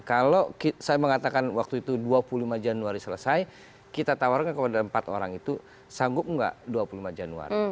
kalau saya mengatakan waktu itu dua puluh lima januari selesai kita tawarkan kepada empat orang itu sanggup enggak dua puluh lima januari